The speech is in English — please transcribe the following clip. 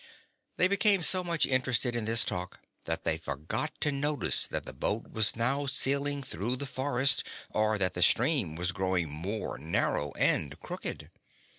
They became so much interested in this talk that they forgot to notice that the boat was now sailing through the forest, or that the stream was growing more narrow and crooked.